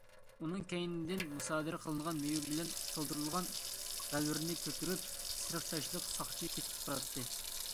ئۇنىڭ كەينىدىن مۇسادىرە قىلىنغان مېۋە بىلەن تولدۇرۇلغان غەلۋىرنى كۆتۈرۈپ، سېرىق چاچلىق ساقچى كېتىپ باراتتى.